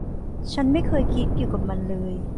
ฉันไม่เคยคิดเกี่ยวกับมันเลย